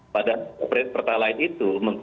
pada per pertalian itu